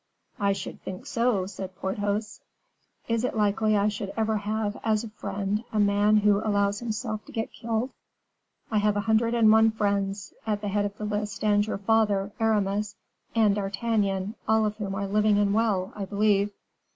"I should think so," said Porthos. "Is it likely I should ever have as a friend a man who allows himself to get killed? I have a hundred and one friends; at the head of the list stand your father, Aramis, and D'Artagnan, all of whom are living and well, I believe?"